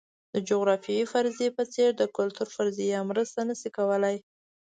د جغرافیوي فرضیې په څېر د کلتور فرضیه مرسته نه شي کولای.